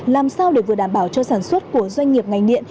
làm sao để vừa đảm bảo cho sản xuất của doanh nghiệp ngành điện